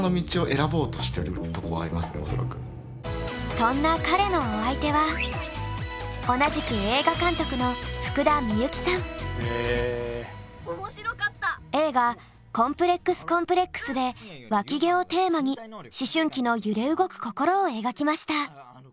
そんな彼のお相手は同じく映画「こんぷれっくす×コンプレックス」でわき毛をテーマに思春期の揺れ動く心を描きました。